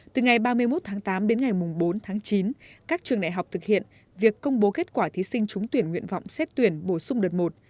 từ ngày ba mươi một tháng tám đến ngày bốn tháng chín các trường đại học thực hiện việc công bố kết quả thí sinh trúng tuyển nguyện vọng xét tuyển bổ sung đợt một